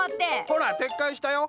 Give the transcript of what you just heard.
ほら撤回したよ！